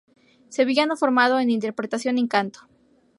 Sevillano, formado en interpretación y canto.